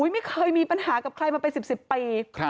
ไม่เคยมีปัญหากับใครมาเป็น๑๐ปี